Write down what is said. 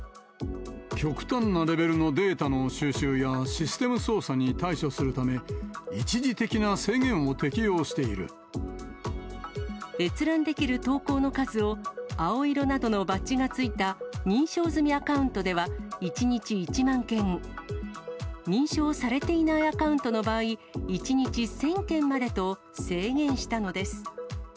極端なレベルのデータの収集や、システム操作に対処するため、閲覧できる投稿の数を、青色などのバッジがついた認証済みアカウントでは１日１万件、認証されていないアカウントの場合、１日１０００件までと、制限したのです。